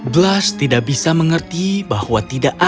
blas tidak bisa mengerti bahwa tidak ada yang bisa dia lakukan